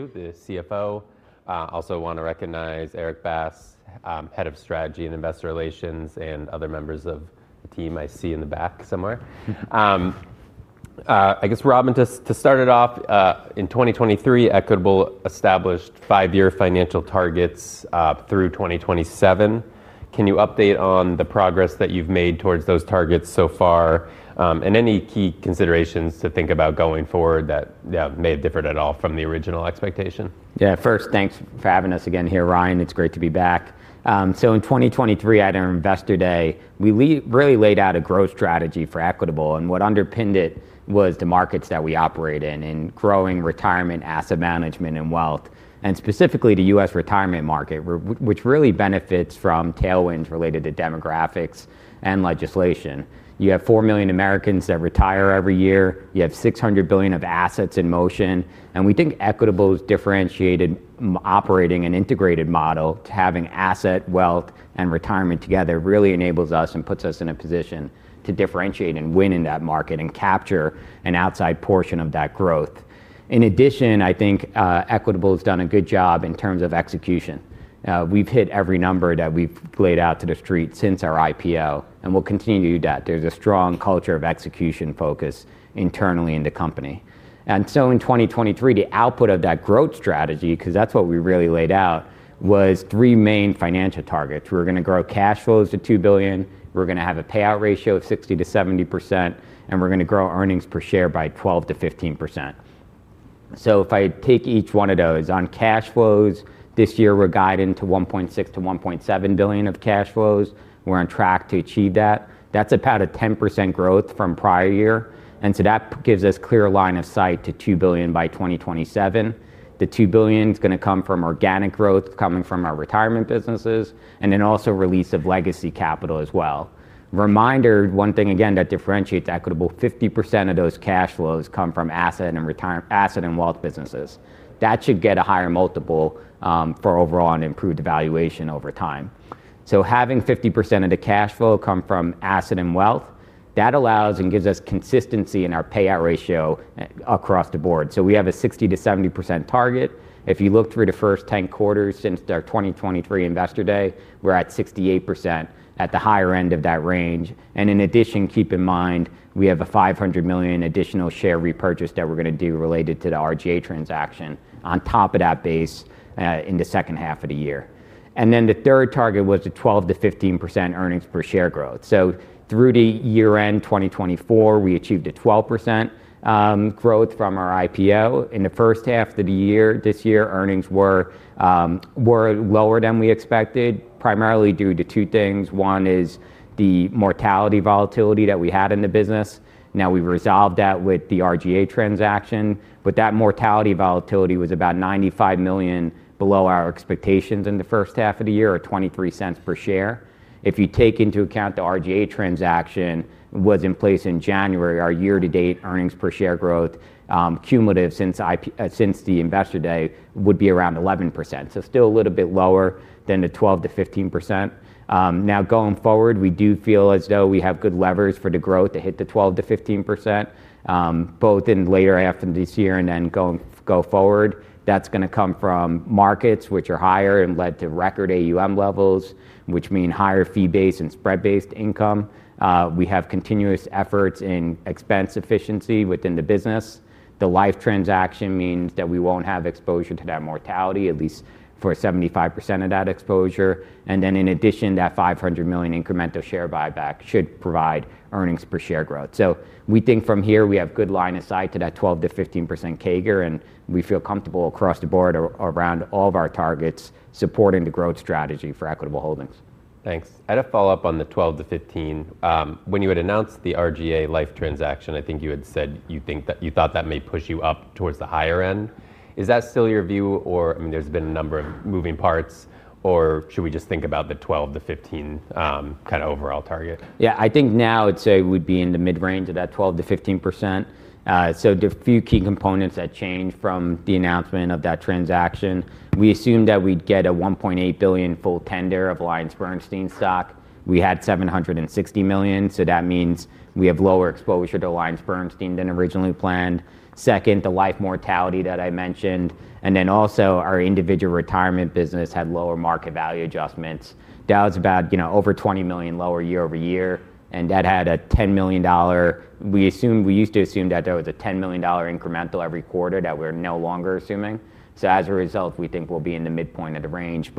The CFO. Also wanna recognize Eric Bass, head of strategy and investor relations and other members of the team I see in the back somewhere. I guess, Robin, to to start it off, in 2023, Equitable established five year financial targets through 2027. Can you update on the progress that you've made towards those targets so far? And any key considerations to think about going forward that may have differed at all from the original expectation? Yeah. First, thanks for having us again here, Ryan. It's great to be back. So in 2023 at our Investor Day, we really laid out a growth strategy for Equitable and what underpinned it was the markets that we operate in and growing retirement asset management and wealth and specifically The US retirement market which really benefits from tailwinds related to demographics You have 4,000,000 Americans that retire every year. You have 600,000,000,000 of assets in motion. And we think Equitable's differentiated operating and integrated model to having asset, wealth, and retirement together really enables us and puts us in a position to differentiate and win in that market and capture an outside portion of that growth. In addition, I think Equitable has done a good job in terms of execution. We've hit every number that we've laid out to the street since our IPO and we'll continue to do that. There's a strong culture of execution focus internally in the company. And so in 2023, the output of that growth strategy because that's what we really laid out was three main financial targets. We're gonna grow cash flows to 2,000,000,000, we're gonna have a payout ratio of 60 to 70% and we're gonna grow earnings per share by 12 to 15%. So if I take each one of those on cash flows, this year we're guiding to 1,600,000,000.0 to 1,700,000,000.0 of cash flows. We're on track to achieve that. That's about a 10% growth from prior year. And so that gives us clear line of sight to $2,000,000,000 by 2027. The $2,000,000,000 is going to come from organic growth coming from our retirement businesses and then also release of legacy capital as well. Reminder, thing again that differentiates Equitable, 50 of those cash flows come from asset and wealth businesses. That should get a higher multiple for overall and improved evaluation over time. So having 50% of the cash flow come from asset and wealth that allows and gives us consistency in our payout ratio across the board. So we have a 60% to 70% target. If you look through the first ten quarters since our twenty twenty three Investor Day, we're at 68% at the higher end of that range. And in addition, keep in mind, we have a $500,000,000 additional share repurchase that we're going to do related to the RGA transaction on top of that base in the second half of the year. And then the third target was a 12% to 15% earnings per share growth. So through the year end 2024 we achieved a 12% growth from our IPO. In the first half of the year this year earnings were lower than we expected primarily due to two things. One is the mortality volatility that we had in the business. Now we've resolved that with the RGA transaction, but that mortality volatility was about 95,000,000 below our expectations in the first half of the year or $0.23 per share. If you take into account the RGA transaction was in place in January, our year to date earnings per share growth cumulative since the Investor Day would be around 11%. So still a little bit lower than the 12% to 15%. Now going forward, we do feel as though we have good levers for the growth to hit the 12% to 15% both in later after this year and then go forward. That's going to come from markets which are higher and led to record AUM levels, which mean higher fee based and spread based income. We have continuous efforts in expense efficiency within the business. The life transaction means that we won't have exposure to that mortality at least for 75 of that exposure. And then in addition that $500,000,000 incremental share buyback should provide earnings per share growth. So we think from here we have good line of sight to that 12% to 15% CAGR and we feel comfortable across the board around all of our targets supporting the growth strategy for Equitable Holdings. Thanks. I had a follow-up on the 12% to 15%. When you had announced the RGA Life transaction, I think you had said you thought that may push you up towards the higher end. Is that still your view? I mean there's been a number of moving parts. Or should we just think about the 12% to 15% kind of overall target? Yes. I think now I'd say it would be in the mid range of that 12 to 15%. So there are a few key components that changed from the announcement of that transaction. We assumed that we'd get a $1,800,000,000 full tender of Lions Bernstein stock. We had $760,000,000 so that means we have lower exposure to AllianceBernstein than originally planned. Second, the life mortality that I mentioned. And then also our individual retirement business had lower market value adjustments. That was about over $20,000,000 lower year over year and that had a $10,000,000 We used to assume that there was a $10,000,000 incremental every quarter that we're no longer assuming. So as a result, we think we'll be in the midpoint of the range.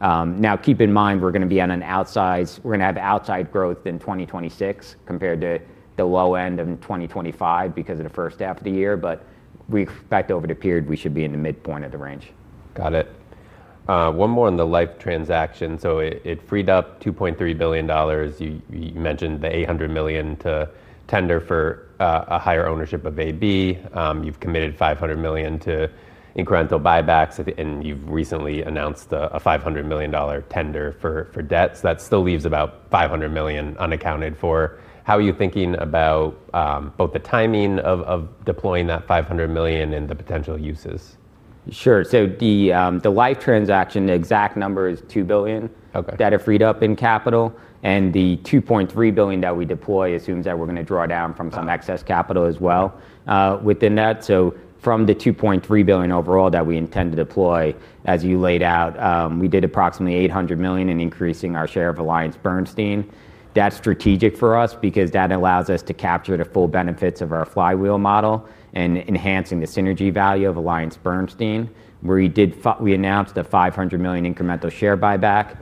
Now keep in mind, we're going to be on an outsized we're going to have outside growth in 2026 compared to the low end of 2025 because of the first half of the year. But we expect over the period we should be in the midpoint of the range. Got it. One more on the Life transaction. So it freed up $2,300,000,000 You mentioned the $800,000,000 to tender for a higher ownership of AB, you've committed $500,000,000 to incremental buybacks and you've recently announced a $500,000,000 tender for debt so that still leaves about $500,000,000 unaccounted for. How are you thinking about both the timing of deploying that $500,000,000 and the potential uses? Sure. So the LIFE transaction, the exact number is $2,000,000,000 that are freed up in capital And the $2,300,000,000 that we deploy assumes that we're gonna draw down from some excess capital as well within that. So from the 2,300,000,000 overall that we intend to deploy, as you laid out, we did approximately $800,000,000 in increasing our share of AllianceBernstein. That's strategic for us because that allows us to capture the full benefits of our flywheel model and enhancing the synergy value of AllianceBernstein. We announced a $500,000,000 incremental share buyback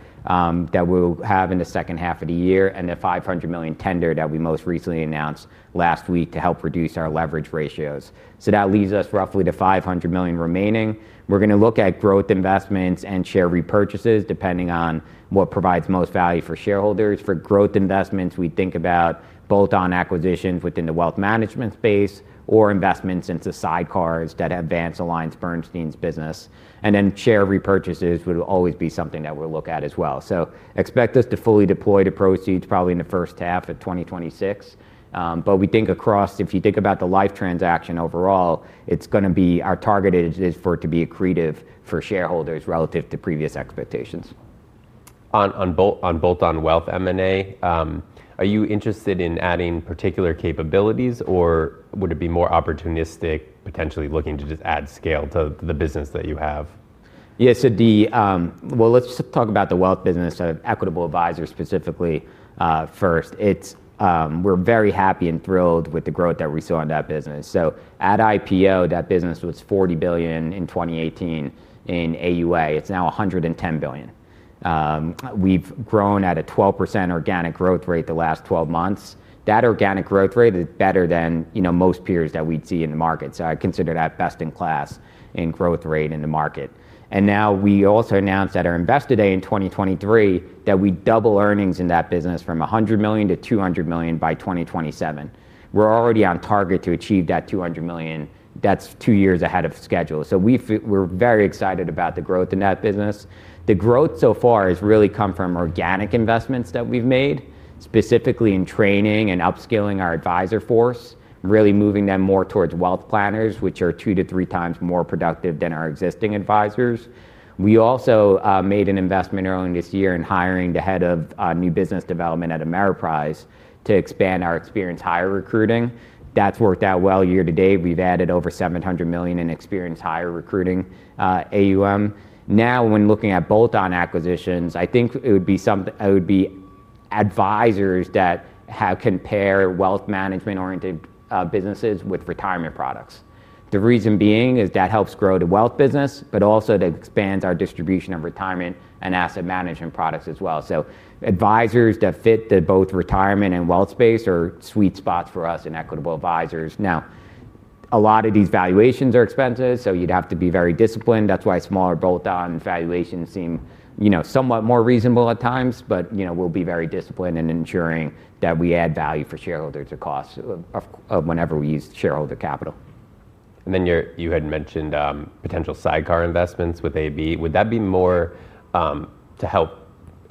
that we'll have in the second half of the year and the $500,000,000 tender that we most recently announced last week to help reduce our leverage ratios. So that leaves us roughly to $500,000,000 remaining. We're gonna look at growth investments and share repurchases depending on what provides most value for shareholders. For growth investments we think about bolt on acquisitions within the wealth management space or investments into sidecars that advance aligns Bernstein's business. And then share repurchases would always be something that we'll look at as well. So expect us to fully deploy the proceeds probably in the 2026. But we think across if you think about the Life transaction overall, it's going to be our target is for it to be accretive for shareholders relative to previous expectations. On bolt on wealth M and A, are you interested in adding particular capabilities or would it be more opportunistic potentially looking to just add scale to the business that you have? Yes. Let's talk about the wealth business, Equitable Advisors specifically first. We're very happy and thrilled with the growth that we saw in that business. So at IPO, that business was $40,000,000,000 in 2018 in AUA. It's now $110,000,000,000 We've grown at a 12% organic growth rate the last twelve months. That organic growth rate is better than most peers that we'd see in the market. So I consider that best in class in growth rate in the market. And now we also announced at our Investor Day in 2023 that we double earnings in that business from $100,000,000 to $200,000,000 by 2027. We're already on target to achieve that $200,000,000 That's two years ahead So we feel we're very excited about the growth in that business. The growth so far has really come from organic investments that we've made, specifically in training and upscaling our adviser force, really moving them more towards wealth planners which are two to three times more productive than our existing advisors. We also made an investment early this year in hiring the head of new business development at Ameriprise to expand our experienced hire recruiting. That's worked out well year to date. We've added over 700,000,000 in experience higher recruiting, AUM. Now when looking at bolt on acquisitions, I think it would be some it would be advisers that have compared wealth management oriented, businesses with retirement products. The reason being is that helps grow the wealth business, but also that expands our distribution of retirement and asset management products as well. So advisors that fit the both retirement and wealth space are sweet spots for us in Equitable Advisors. Now a lot of these valuations are expenses, so you'd have to be very disciplined. That's why smaller bolt on valuations seem, somewhat more reasonable at times. But we'll be very disciplined in ensuring that we add value for shareholders or costs whenever we use shareholder capital. And then you had mentioned potential sidecar investments with AB. Would that be more to help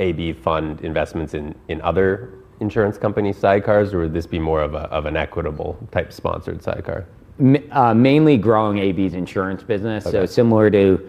AB fund investments in other insurance company sidecars or would this be more of an equitable type sponsored sidecar? Mainly growing AB's insurance business. So similar to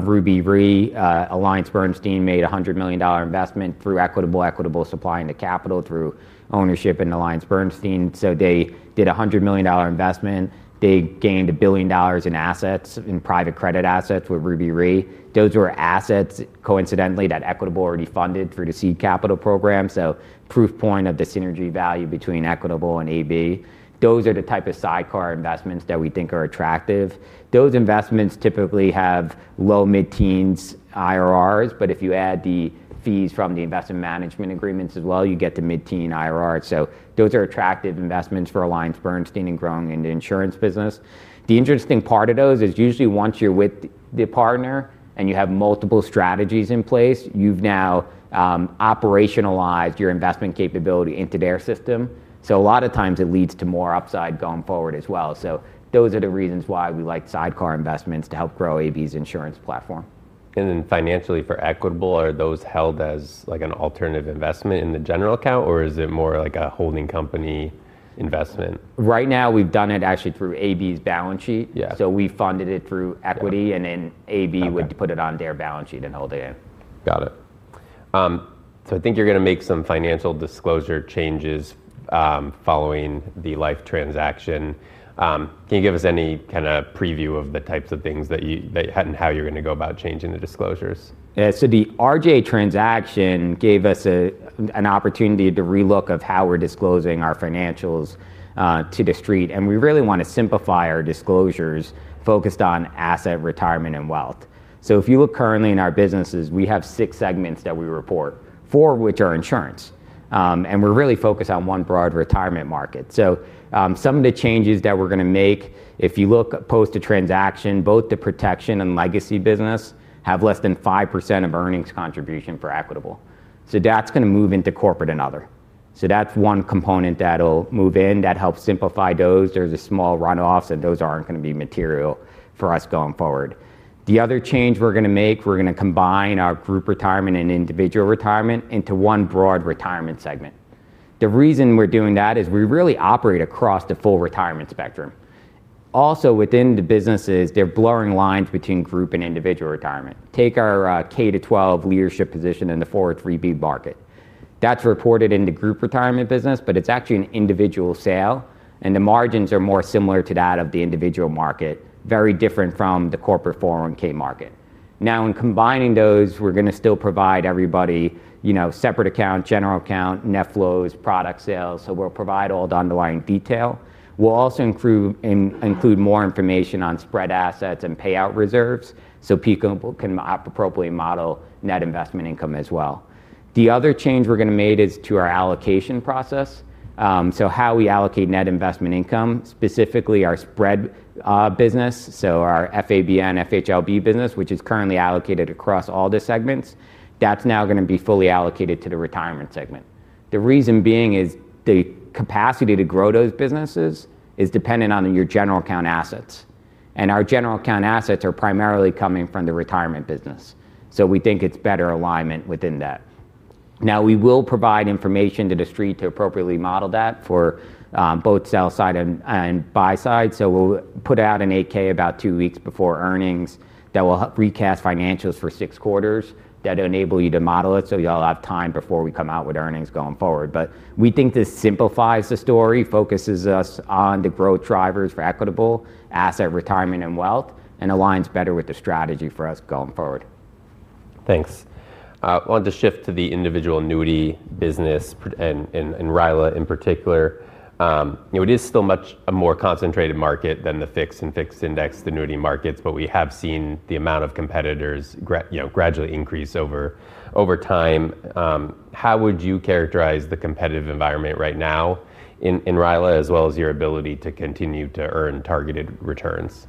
Ruby Re, AllianceBernstein made $100,000,000 investment through Equitable Equitable Supply and the Capital through ownership in AllianceBernstein. So they did $100,000,000 investment. They gained $1,000,000,000 in assets, in private credit assets with Ruby Re. Those were assets coincidentally that Equitable already funded through the seed capital program. So proof point of the synergy value between Equitable and AB. Those are the type of sidecar investments that we think are attractive. Those investments typically have low mid teens IRRs. But if you add the fees from the investment management agreements as well, get to mid teen IRRs. So those are attractive investments for AllianceBernstein and growing in the insurance business. The interesting part of those is usually once you're with the partner and you have multiple strategies in place, you've now, operationalized your investment capability into their system. So a lot of times it leads to more upside going forward as well. So those are the reasons why we like sidecar investments to help grow AB's insurance platform. And then financially for Equitable, are those held as like an alternative investment in the general account or is it more like a holding company investment? Right now we've done it actually through AB's balance sheet. Yeah. So we funded it through equity and then AB would put it on their balance sheet and hold it in. Got it. So I think you're gonna make some financial disclosure changes, following the Life Transaction. Can you give us any kind of preview of the types of things that you that you had and how you're gonna go about changing the disclosures? Yeah. So the RJ transaction gave us an opportunity to relook of how we're disclosing our financials to the street and we really wanna simplify our disclosures focused on asset retirement and wealth. So if you look currently in our businesses, we have six segments that we report, four of which are insurance. And we're really focused on one broad retirement market. So, some of the changes that we're gonna make, if you look post the transaction, both the protection and legacy business have less than five percent of earnings contribution for Equitable. So that's gonna move into corporate and other. So that's one component that'll move in that helps simplify those. There's a small run off so those aren't gonna be material for us going forward. The other change we're gonna make, we're gonna combine our group retirement and individual retirement into one broad retirement segment. The reason we're doing that is we really operate across the full retirement spectrum. Also within the businesses, they're blurring lines between group and individual retirement. Take our K-twelve leadership position in the four zero three market. That's reported in the group retirement business, but it's actually an individual sale and the margins are more similar to that of the individual market, very different from the corporate four zero one market. Now in combining those we're gonna still provide everybody separate account, general account, net flows, product sales. So we'll provide all the underlying detail. We'll also include more information on spread assets and payout reserves so PECO can appropriately model net investment income as well. The other change we're going to make is to our allocation process. So how we allocate net investment income specifically our spread business, so our FABN, FHLB business, which is currently allocated across all the segments, that's now gonna be fully allocated to the retirement segment. The reason being is the capacity to grow those businesses is dependent on your general account assets. And our general account assets are primarily coming from the retirement business. So we think it's better alignment within that. Now we will provide information to The Street to appropriately model that for both sell side and buy side. So we'll put out an eight ks about two weeks before earnings that will help recast financials for six quarters that enable you to model it so you all have time before we come out with earnings going forward. But we think this simplifies the story, focuses us on the growth drivers for equitable asset retirement and wealth and aligns better with the strategy for us going forward. Thanks. I wanted to shift to the individual annuity business and and Rilla in particular. You know, it is still much a more concentrated market than the fixed and fixed indexed annuity markets, but we have seen the amount of competitors you know, gradually increase over over time. How would you characterize the competitive environment right now in RILE as well as your ability to continue to earn targeted returns?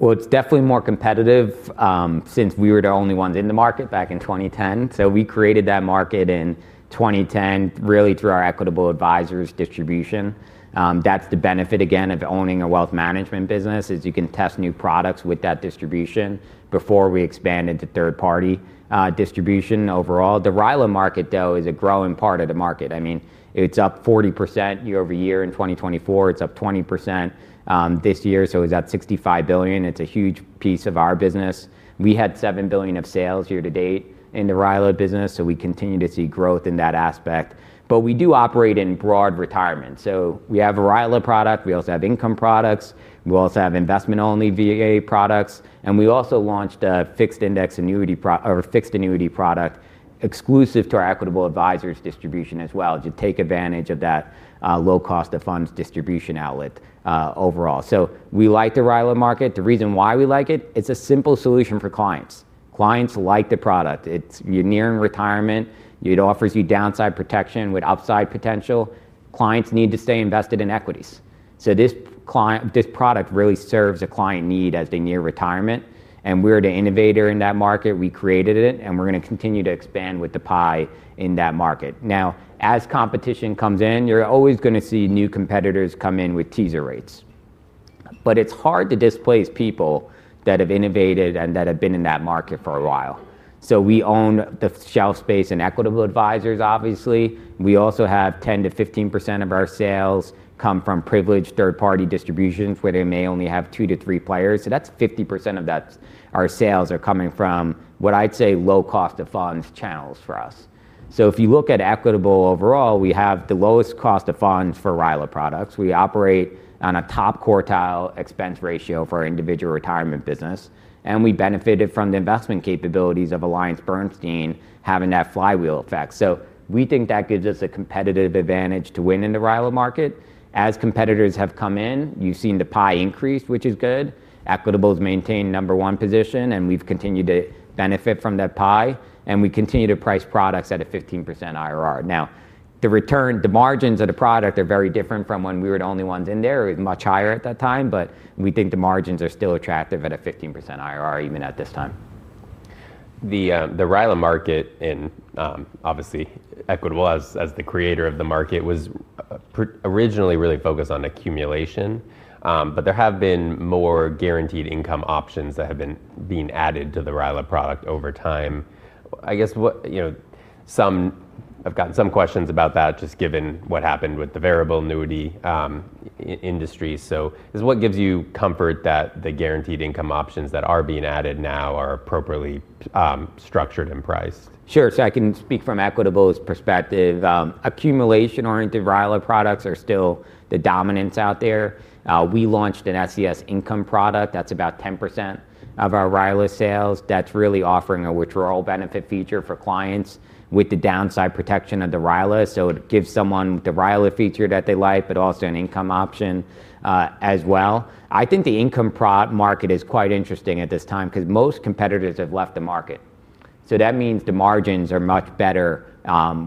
Well, it's definitely more competitive since we were the only ones in the market back in 2010. So we created that market in 2010 really through our Equitable Advisors distribution. That's the benefit again of owning a wealth management business is you can test new products with that distribution before we expand into third party distribution overall. The RILE market though is a growing part of the market. I mean it's up 40% year over year in 2024. It's up 20% this year. So it's at $65,000,000,000 It's a huge piece of our business. We had $7,000,000,000 of sales year to date in the RILA business, so we continue to see growth in that aspect. But we do operate in broad retirement. So we have a RILA product. We also have income products. We also have investment only VA products. And we also launched a fixed index annuity product exclusive to our Equitable Advisors distribution as well to take advantage of that, low cost of funds distribution outlet, overall. So we like the Ryland market. The reason why we like it, it's a simple solution for clients. Clients like the product. You're nearing retirement. It offers you downside protection with upside potential. Clients need to stay invested in equities. So this product really serves a client need as they near retirement. And we're the innovator in that market. We created it. And we're gonna continue to expand with the pie in that market. Now as competition comes in, you're always gonna see new competitors come in with teaser rates. But it's hard to displace people that have innovated and that have been in that market for a while. So we own the shelf space in Equitable Advisors, obviously. We also have 10% to 15% of our sales come from privileged third party distributions where they may only have two to three players. So that's 50% of that our sales are coming from what I'd say low cost of funds channels for us. So if you look at Equitable overall, we have the lowest cost of funds for RILE products. We operate on a top quartile expense ratio for our individual retirement business. And we benefited from the investment capabilities of AllianceBernstein having that flywheel effect. So we think that gives us a competitive advantage to win in the RIOA market. As competitors have come in, you've seen the pie increase, which is good. Equitable has maintained number one position and we've continued to benefit from that pie. And we continue to price products at a 15% IRR. Now, the return, the margins of the product are very different from when we were the only ones in there, much higher at that time. But we think the margins are still attractive at a 15% IRR even at this time. The the Rylan market in, obviously, Equitable as as the creator of the market was originally really focused on accumulation, but there have been more guaranteed income options that have been being added to the RILEB product over time. I guess what you know some I've gotten some questions about that just given what happened with the variable annuity industry. Is what gives you comfort that the guaranteed income options that are being added now are appropriately structured and priced? Sure. So I can speak from Equitable's perspective. Accumulation oriented RILEY products are still the dominance out there. We launched an SES income product. That's about 10% of our RILA sales. That's really offering a withdrawal benefit feature for clients with the downside protection of the RILA. So it gives someone the RILA feature that they like but also an income option, as well. I think the income product market is quite interesting at this time because most competitors have left the market. So that means the margins are much better,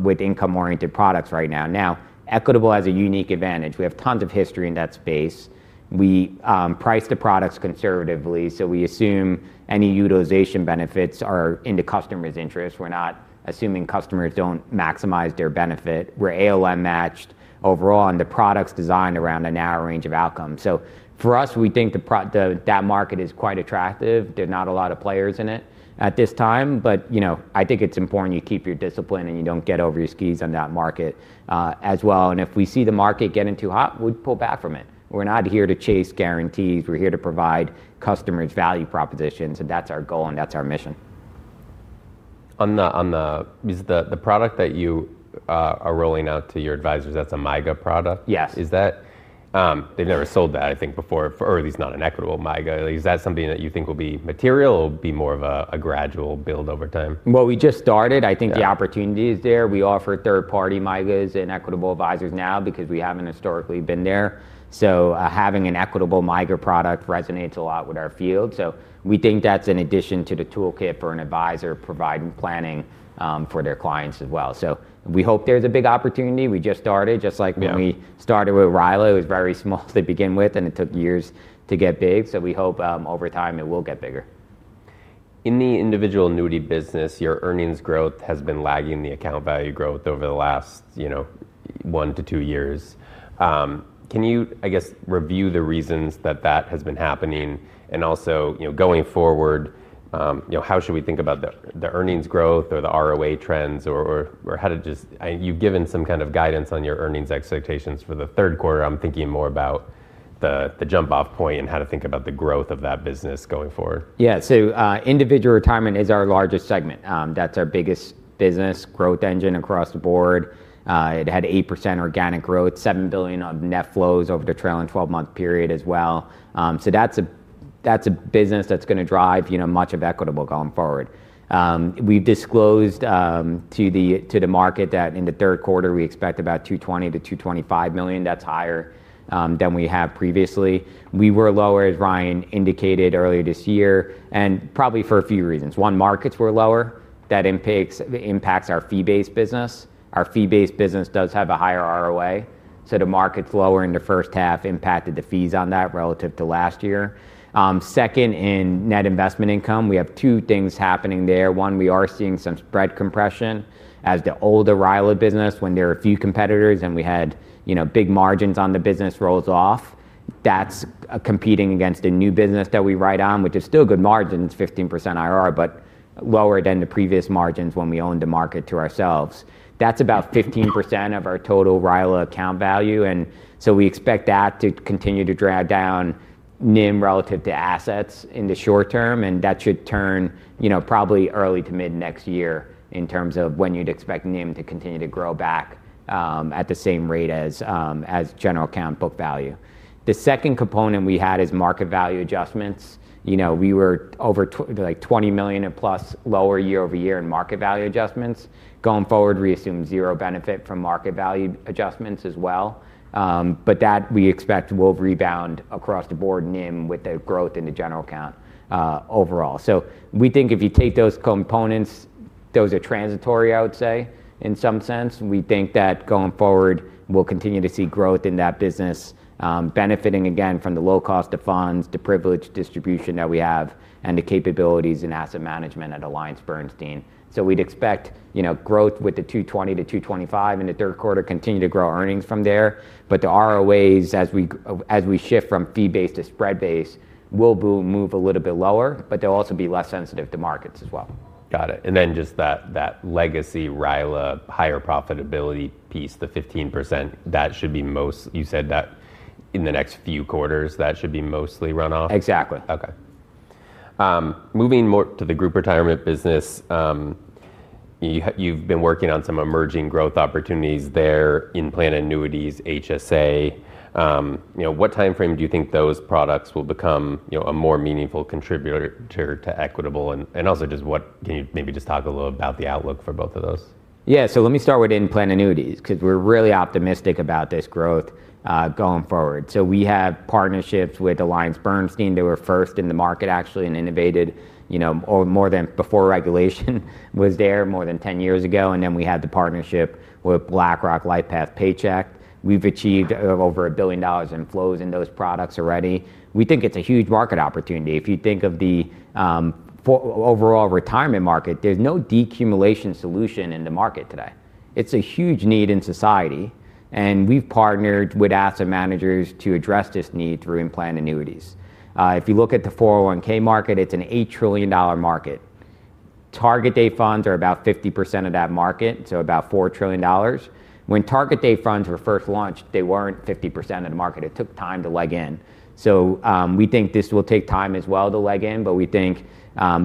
with income oriented products right now. Now Equitable has a unique advantage. We have tons of history in that space. We price the products conservatively. So we assume any utilization benefits are in the customers' interest. We're not assuming customers don't maximize their benefit. We're ALM matched overall and the product's designed around a narrow range of outcomes. So for us, we think that market is quite attractive. There are not a lot of players in it at this time. But I think it's important you keep your discipline and you don't get over your skis in that market as well. And if we see the market getting too hot, we'd pull back from it. We're not here to chase guarantees. We're here to provide customers value propositions. And that's our goal and that's our mission. On the on the is the the product that you are rolling out to your advisers, that's a MYGA product? Yes. Is that they've never sold that, I think, before for or at least not an Equitable MYGA. Like, is that something that you think will be material or be more of a a gradual build over time? Well, we just started. I think the opportunity is there. We offer third party MYGAs and Equitable Advisors now because we haven't historically been there. So, having an Equitable MYGAs product resonates a lot with our field. So we think that's in addition to the toolkit for an advisor providing planning, for their clients as well. So we hope there's a big opportunity. We just started just like when we started with Ryla. It was very small to begin with and it took years to get big. So we hope, over time it will get bigger. In the individual annuity business, your earnings growth has been lagging the account value growth over the last, one to two years. Can you review the reasons that that has been happening? And also going forward, how should we think about the earnings growth or the ROA trends or how to just you've given some kind of guidance on your earnings expectations for the third quarter. I'm thinking more about the jump off point and how to think about the growth of that business going forward. Yeah. So individual retirement is our largest segment. That's our biggest business growth engine across the board. It had 8% organic growth, 7,000,000,000 of net flows over the trailing twelve month period as well. So that's a business that's going to drive much of Equitable going forward. We disclosed to the market that in the third quarter we expect about $220,000,000 to $225,000,000 That's higher than we have previously. We were lower, as Ryan indicated earlier this year, and probably for a few reasons. One, markets were lower. That impacts our fee based business. Our fee based business does have a higher ROA. So the markets lower in the first half impacted the fees on that relative to last year. Second, in net investment income, we have two things happening there. One, we are seeing some spread compression as the older Ryland business, when there are a few competitors and we had big margins on the business rolls off. That's competing against a new business that we write on, which is still good margins, 15% IRR, but lower than the previous margins when we owned the market to ourselves. That's about 15% of our total RILE account value. And so we expect that to continue to drag down NIM relative to assets in the short term and that should turn probably early to mid next year in terms of when you'd expect NIM to continue to grow back at the same rate as general account book value. The second component we had is market value adjustments. We were over $20,000,000 plus lower year over year in market value adjustments. Going forward, we assume zero benefit from market value adjustments as well. But that we expect will rebound across the board NIM with the growth in the general account overall. So we think if you take those components, those are transitory, would say, in some sense. And we think that going forward, we'll continue to see growth in that business benefiting again from the low cost of funds, the privileged distribution that we have and the capabilities in asset management at AllianceBernstein. So we'd expect growth with the $220,000,000 to $225,000,000 in the third quarter, continue to grow earnings from there. But the ROAs as we as we shift from fee based to spread based will move a little bit lower, but they'll also be less sensitive to markets as well. Got it. And then just that that legacy RILA higher profitability piece, the 15%, you said that in the next few quarters that should be mostly runoff? Exactly. Moving more to the Group Retirement business, you've been working on some emerging growth opportunities there, in plan annuities, HSA. What time frame do you think those products will become a more meaningful contributor to Equitable? Also just what can you maybe just talk a little about the outlook for both of those? Yeah. So let me start with in plan annuities because we're really optimistic about this growth going forward. So we have partnerships with AllianceBernstein. They were first in the market actually and innovated more than before regulation was there more than ten years ago. And then we had the partnership with BlackRock, LifePath, Paycheck. We've achieved over $1,000,000,000 inflows in those products already. We think it's a huge market opportunity. If you think of the overall retirement market, there's no decumulation solution in the market today. It's a huge need in society, and we've partnered with asset managers to address this need through implant annuities. If you look at the 04/2001 market, it's an $8,000,000,000,000 market. Target date funds are about 50% of that market, so about $4,000,000,000,000 When target date funds were first launched, they weren't 50% of the market. It took time to leg in. So we think this will take time as well to leg in, but we think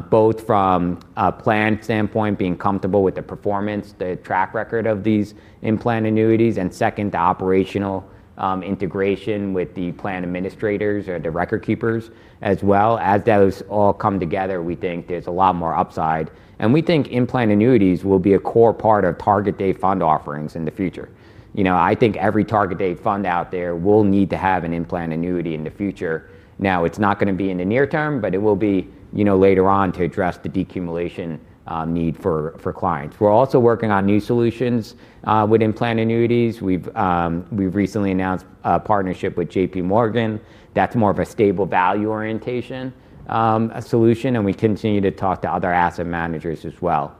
both from a plan standpoint, being comfortable with the performance, the track record of these in plan annuities, and second, the operational, integration with the plan administrators or the record keepers as well. As those all come together, we think there's a lot more upside. And we think in plan annuities will be a core part of target date fund offerings in the future. I think every target date fund out there will need to have an in plan annuity in the future. Now it's not going to be in the near term, but it will be later on to address the decumulation need for clients. We're also working on new solutions with in plan annuities. We've recently announced a partnership with JPMorgan. That's more of a stable value orientation solution. And we continue to talk to other asset managers as well.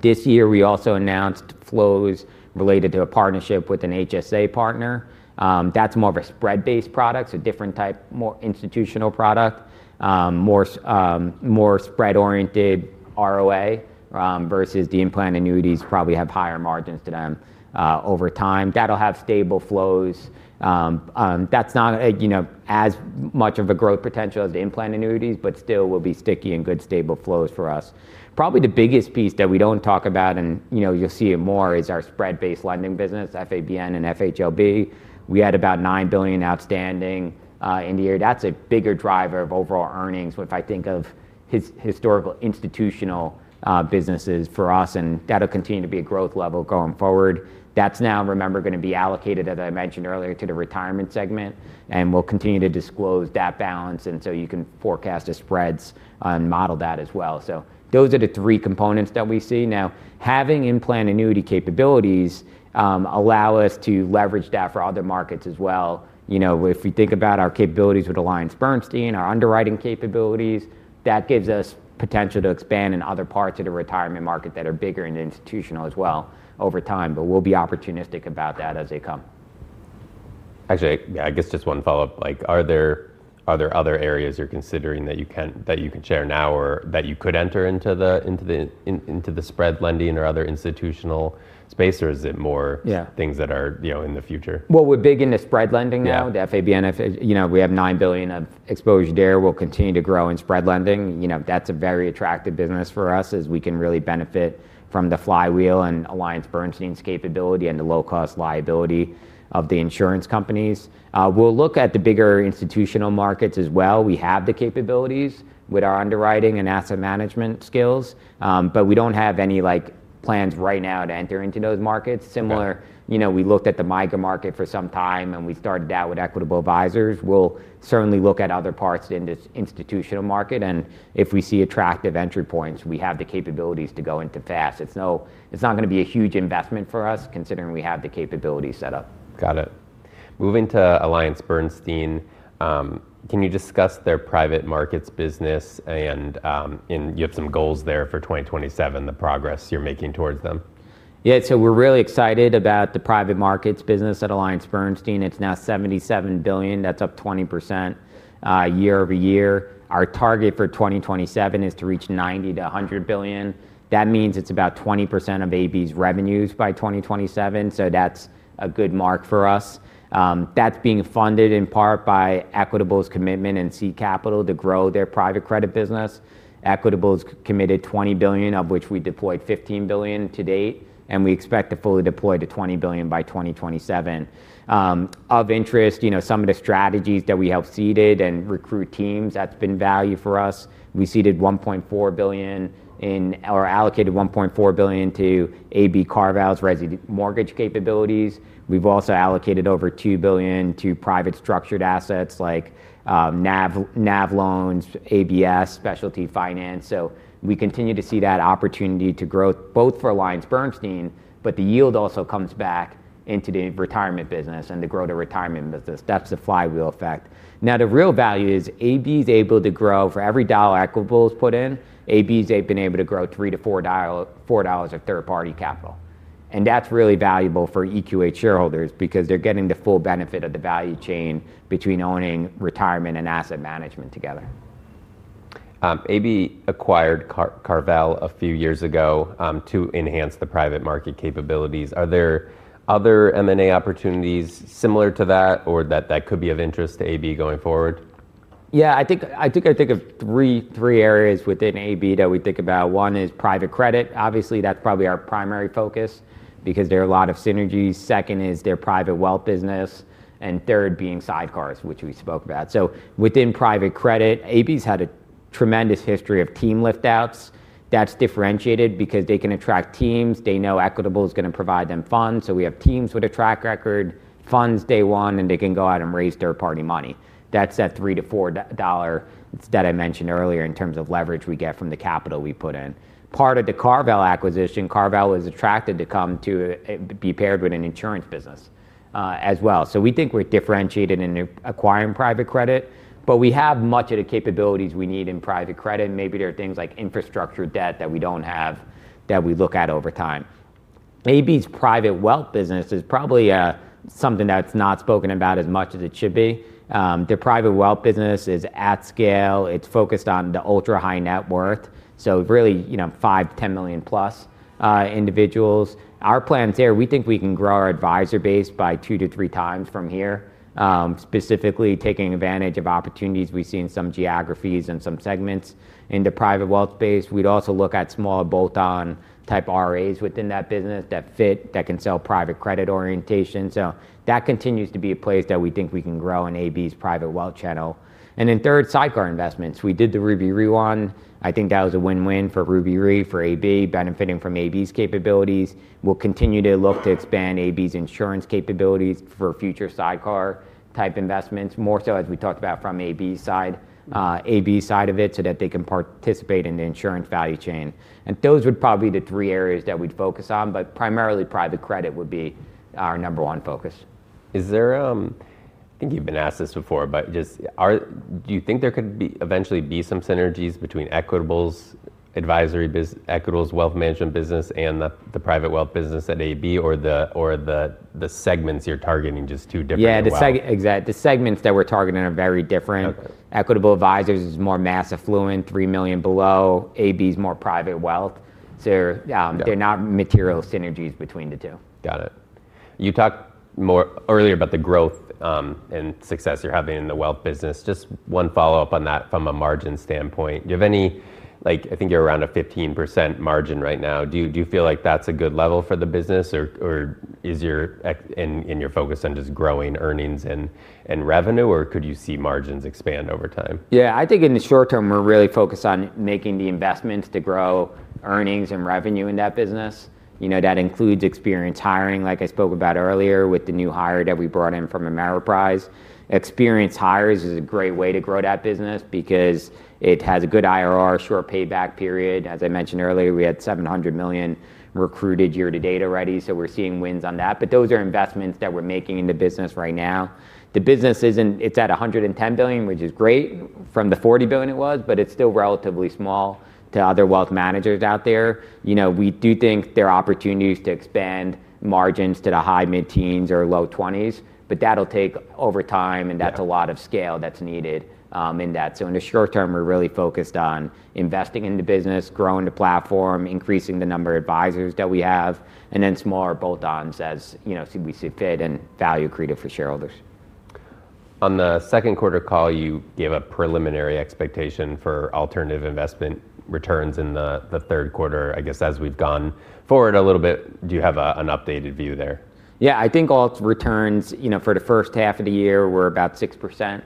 This year, we also announced flows related to a partnership with an HSA partner. That's more of a spread based product, so different type, more institutional product, more spread oriented ROA versus the implant annuities probably have higher margins to them over time. That will have stable flows. That's not as much of a growth potential as the implant annuities, but still will be sticky and good stable flows for us. Probably the biggest piece that we don't talk about and you'll see it more is our spread based lending business, FABN and FHLB. We had about $9,000,000,000 outstanding in the year. That's a bigger driver of overall earnings. But if I think of historical institutional businesses for us, and that will continue to be a growth level going forward. That's now, remember, going to be allocated, as I mentioned earlier, to the Retirement segment. And we'll continue to disclose that balance. And so you can forecast the spreads and model that as well. So those are the three components that we see. Now having in plan annuity capabilities allow us to leverage that for other markets as well. If we think about our capabilities with AllianceBernstein, our underwriting capabilities, that gives us potential to expand in other parts of the retirement market that are bigger and institutional as well over opportunistic about that as they come. Actually, I guess just one follow-up. Are there other areas you're considering that you can share now or that you could enter into the spread lending or other institutional space? Or is it more things that are in the future? Well, we're big into spread lending now. The FABNFA, we have $9,000,000,000 of exposure there. We'll continue to grow in spread lending. That's a very attractive business for us as we can really benefit from the flywheel and AllianceBernstein's capability and the low cost liability of the insurance companies. We'll look at the bigger institutional markets as well. We have the capabilities with our underwriting and asset management skills, But we don't have any plans right now to enter into those markets. Similar, we looked at the MICA market for some time and we started out with Equitable Advisors. We'll certainly look at other parts in this institutional market. And if we see attractive entry points we have the capabilities to go into FAST. Not going be a huge investment for us considering we have the capability set up. Got it. Moving to AllianceBernstein, can you discuss their private markets business and you have some goals there for 2027, the progress you're making towards them? Yes. So we're really excited about the private markets business at AllianceBernstein. It's now $77,000,000,000 That's up 20% year over year. Our target for 2027 is to reach 90,000,000,000 to $100,000,000,000 That means it's about 20% of AB's revenues by 2027. So that's a good mark for us. That's being funded in part by Equitable's commitment and seed capital to grow their private credit business. Equitable's committed $20,000,000,000 of which we deployed $15,000,000,000 to date, and we expect to fully deploy to $20,000,000,000 by 2027. Of interest, some of the strategies that we have seeded and recruit teams, that's been value for us. We seeded 1,400,000,000.0 in or allocated 1,400,000,000.0 to AB Carval's resi mortgage capabilities. We've also allocated over 2,000,000,000 to private structured assets like NAV loans, ABS, Specialty Finance. So we continue to see that opportunity to grow both for AllianceBernstein, but the yield also comes back into the retirement business and to grow retirement business. That's the flywheel effect. Now the real value is AB is able to grow for every dollar Equitable is put in. AB has been able to grow 3 to 4 doll $4 of third party capital. And that's really valuable for EQH shareholders because they're getting the full benefit of the value chain between owning retirement and asset management together. AB acquired Carvell a few years ago, to enhance the private market capabilities. Are there other m and a opportunities similar to that or that could be of interest to AB going forward? Yes. Think I think of three areas within AB that we think about. One is private credit. Obviously, that's probably our primary focus because there are a lot of synergies. Second is their private wealth business. And third being sidecars, which we spoke about. So within private credit, AB's had a tremendous history of team lift outs. That's differentiated because they can attract teams. They know Equitable is gonna provide them funds. So we have teams with a track record, funds day one, and they can go out and raise third party money. That's that $3 to $4 that I mentioned earlier in terms of leverage we get from the capital we put in. Part of the CarVel acquisition, CarVel was attracted to come to be paired with an insurance business as well. So we think we're differentiated in acquiring private credit. But we have much of the capabilities we need in private credit. And maybe there are things like infrastructure debt that we don't have that we look at over time. AB's private wealth business is probably something that's not spoken about as much as it should be. Their private wealth business is at scale. It's focused on the ultra high net worth. So really 5,000,000 to 10,000,000 plus individuals. Our plans there, we think we can grow our advisor base by two to three times from here, specifically taking advantage of opportunities we see in some geographies and some segments in the private wealth space. We'd also look at small bolt on type RAs within that business that fit, that can sell private credit orientation. So that continues to be a place that we think we can grow in AB's private wealth channel. And then third, sidecar investments. We did the Ruby Re one. Think that was a win win for Ruby Re for AB benefiting from AB's capabilities. We'll continue to look to expand AB's insurance capabilities for future sidecar type investments, more so as we talked about from AB's side, AB side of it so that they can participate in the insurance value chain. And those would probably be the three areas that we'd focus on, but primarily private credit would be our number one focus. Is there, I think you've been asked this before, but just are do you think there could be eventually be some synergies between Equitable's advisory biz Equitable's wealth management business and the the private wealth business at AB or the or the the segments you're targeting just two different wealth? Exact the segments that we're targeting are very different. Equitable Advisors is more mass affluent, 3,000,000 below. AB is more private wealth. So they're not material synergies between the two. Got it. You talked more earlier about the growth and success you're having in the wealth business. Just one follow-up on that from a margin standpoint. Do have any like I think you're around a 15% margin right now. Do you feel like that's a good level for the business? Or is your and and you're focused on just growing earnings and and revenue or could you see margins expand over time? Yeah. I think in the short term, we're really focused on making the investments to grow earnings and revenue in that business. That includes experience hiring, like I spoke about earlier with the new hire that we brought in from Ameriprise. Experience hires is a great way to grow that business because it has a good IRR, short payback period. As I mentioned earlier, had 700,000,000 recruited year to date already. So we're seeing wins on that. But those are investments that we're making in the business right now. The business isn't it's at $110,000,000,000 which is great from the $40,000,000,000 it was, but it's still relatively small to other wealth managers out there. We do think there are opportunities to expand margins to the high mid teens or low 20s, but that'll take over time, and that's a lot of scale that's needed in that. So in the short term, we're really focused on investing in the business, growing the platform, increasing the number of advisers that we have, and then smaller bolt ons as, you know, we see fit and value accretive for shareholders. On the second quarter call, you gave a preliminary expectation for alternative investment returns in the third quarter. I guess as we've gone forward a little bit, do you have an updated view there? Yeah. I think all its returns for the first half of the year were about 6%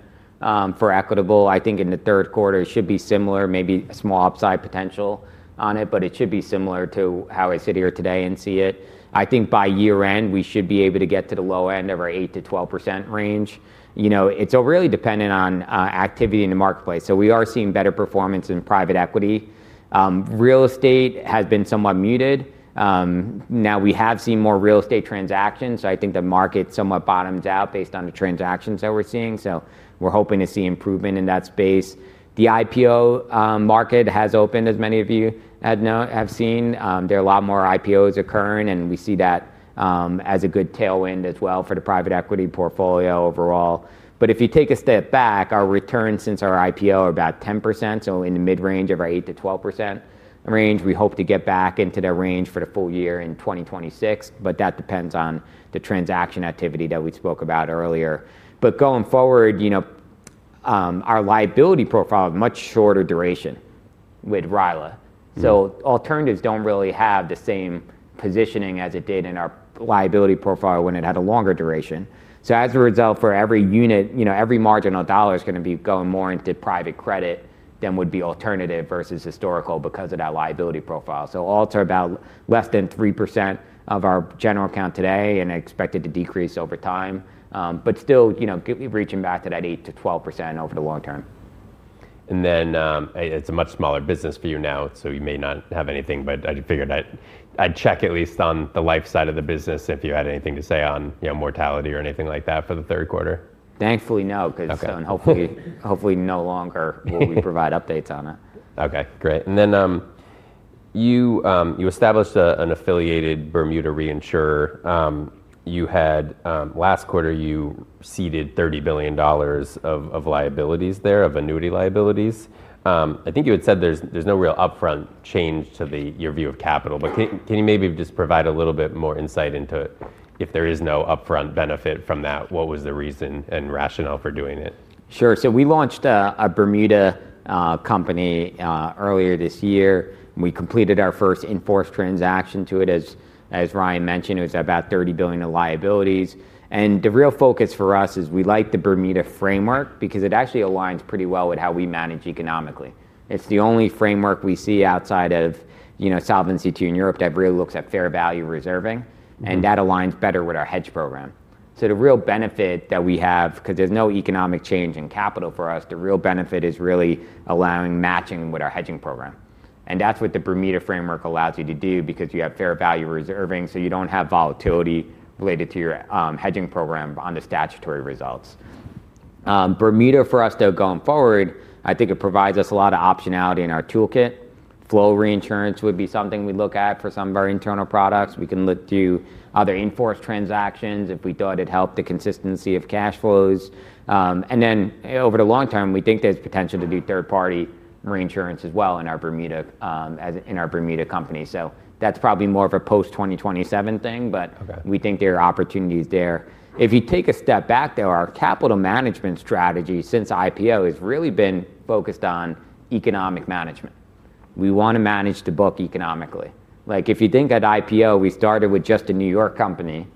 for Equitable. I think in the third quarter, it should be similar, maybe a small upside potential on it, but it should be similar to how I sit here today and see it. I think by year end we should be able to get to the low end of our 8% to 12% range. It's really dependent on activity in the marketplace. So we are seeing better performance in private equity. Real estate has been somewhat muted. Now we have seen more real estate transactions, so I think the market somewhat bottoms out based on the transactions that we're seeing. So we're hoping to see improvement in that space. The IPO market has opened as many of you have seen. There are a lot more IPOs occurring and we see that as a good tailwind as well for the private equity portfolio overall. But if you take a step back, our returns since our IPO are about 10%, so in the mid range of our 8% to 12% range. We hope to get back into that range for the full year in 2026, but that depends on the transaction activity that we spoke about earlier. But going forward, our liability profile, much shorter duration with RILA. So alternatives don't really have the same positioning as it did in our liability profile when it had a longer duration. So as a result, for every unit, every marginal dollar is going be going more into private credit than would be alternative versus historical because of that liability profile. So all to about less than 3% of our general account today and expect it to decrease over time, But still, you know, reaching back to that 8% to 12% over the long term. And then it's a much smaller business for you now, so you may not have anything. But I figured I'd I'd check at least on the life side of the business if you had anything to say on mortality or anything like that for the third quarter. Thankfully, no. Hopefully no longer will we provide updates on it. Okay, great. And then you established an affiliated Bermuda reinsurer. Had last quarter you ceded $30,000,000,000 of liabilities there, of annuity liabilities. I think you had said there's no real upfront change to your view of capital, but can you maybe just provide a little bit more insight into If there is no upfront benefit from that, what was the reason and rationale for doing it? Sure. So we launched a a Bermuda, company, earlier this year. We completed our first in force transaction to it. As As Ryan mentioned, it was about $30,000,000,000 of liabilities. And the real focus for us is we like the Bermuda framework because it actually aligns pretty well with how we manage economically. It's the only framework we see outside of Solvency II in Europe that really looks at fair value reserving, and that aligns better with our hedge program. So the real benefit that we have because there's no economic change in capital for us. The real benefit is really allowing matching with our hedging program. And that's what the Bermuda framework allows you to do because you have fair value reserving so you don't have volatility related to your hedging program on the statutory results. Bermuda for us though going forward, I think it provides us a lot of optionality in our toolkit. Flow reinsurance would be something we look at for some of our internal products. We can look to other in force transactions if we thought it helped the consistency of cash flows. And then over the long term, we think there's potential to do third party reinsurance as well in our Bermuda company. So that's probably more of a post 2027 thing, but we think there are opportunities there. If you take a step back though, our capital management strategy since IPO has really been focused on economic management. We wanna manage the book economically. Like if you think at IPO, we started with just a New York company,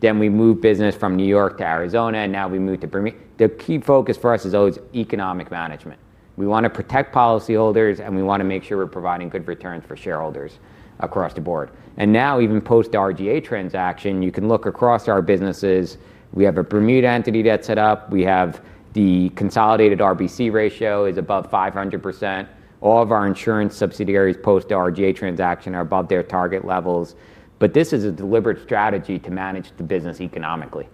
then we moved business from New York to Arizona, and now we moved to Bermuda. The key focus for us is always economic management. We wanna protect policyholders, and we wanna make sure we're providing good returns for shareholders across the And now even post the RGA transaction, you can look across our businesses. We have a Bermuda entity that's set up. We have the consolidated RBC ratio is above 500%. All of our insurance subsidiaries post the RGA transaction are above their target levels. But this is a deliberate strategy to manage the business economically,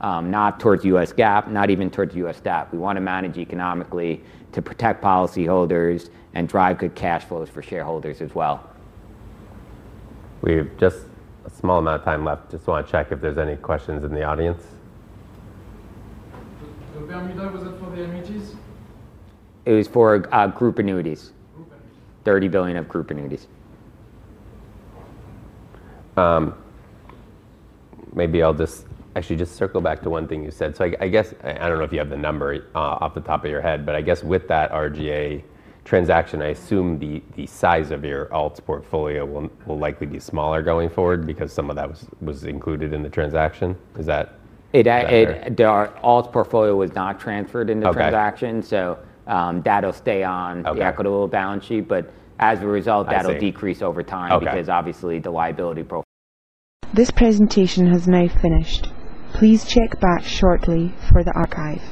not towards U. S. GAAP, not even towards U. S. GAAP. We wanna manage economically to protect policyholders and drive good cash flows for shareholders as well. We have just a small amount of time left. Just wanna check if there's any questions in the audience. The Bermuda, was it for the annuities? It was for, group annuities. Dollars 30,000,000,000 of group annuities. Maybe I'll actually just circle back to one thing you said. I don't know if you have the number off the top of your head but I guess with that RGA transaction, assume the size of your alts portfolio will likely be smaller going forward because some of that was included in the transaction. Is that Our alts portfolio was not transferred in the transaction. That'll stay on the equitable balance sheet. But as a result, that'll decrease over time because obviously the liability pro This presentation has now finished. Please check back shortly for the archive.